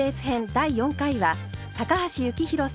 第４回は高橋幸宏さん